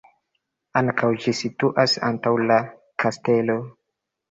Ankaŭ ĝi situas antaŭ la kastelo.